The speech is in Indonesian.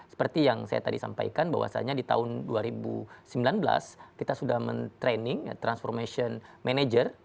seperti yang saya tadi sampaikan bahwasannya di tahun dua ribu sembilan belas kita sudah men training transformation manager